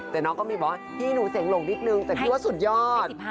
แต่น้องก็มีบอกว่าพี่หนูเสียงหลงนิดนึงแต่คิดว่าสุดยอด